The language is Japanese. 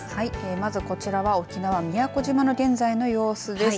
まずこちらは沖縄宮古島の現在の様子です。